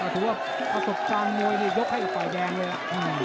ถือว่าประสบการณ์มวยนี่ยกให้กับฝ่ายแดงเลยล่ะ